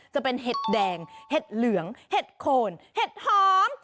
จะเป็นเห็ดแดงเห็ดเหลืองเห็ดโคนเห็ดหอม